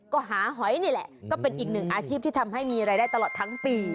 ก็หาหอยนี่แหละก็เป็นอีกหนึ่งอาชีพที่ทำให้มีรายได้ตลอดทั้งปี